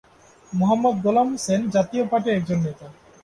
মোহাম্মদ গোলাম হোসেন জাতীয় পার্টির একজন নেতা।